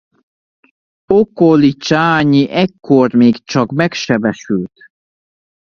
Okolicsányi ekkor még csak megsebesült.